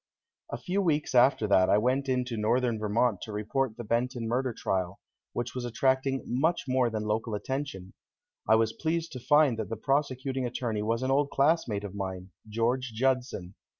A few weeks after that I went into Northern Vermont to report the Benton murder trial, which was attracting much more than local attention. I was pleased to find that the prosecuting attorney was an old classmate of mine, George Judson.